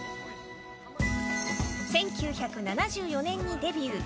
１９７４年にデビュー。